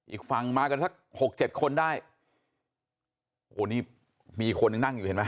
อีกฝั่งมากันสักหกเจ็ดคนได้โอ้โหนี่มีคนหนึ่งนั่งอยู่เห็นไหม